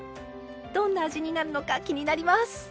どんな味になるのか気になります！